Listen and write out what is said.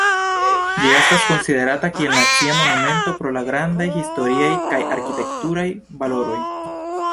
Ĝi estas konsiderata kiel nacia monumento pro la grandaj historiaj kaj arkitekturaj valoroj.